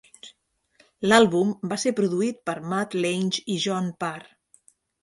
L'àlbum va ser produït per Mutt Lange i John Parr.